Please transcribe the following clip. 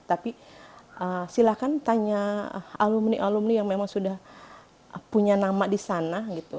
tapi silahkan tanya alumni alumni yang memang sudah punya nama di sana gitu